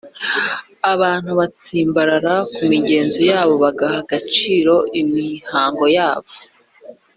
abantu batsimbarara ku migenzo yabo, bagaha agaciro imihango yabo